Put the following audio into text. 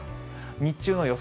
日中の予想